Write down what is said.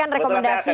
ya hanya indonesia